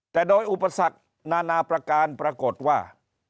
แต่โดยอุปสรรคนานานาประการปรากฏว่า